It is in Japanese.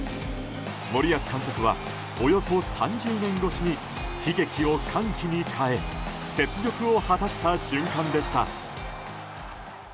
森保監督は、およそ３０年越しに悲劇を歓喜に変え雪辱を果たした瞬間でした。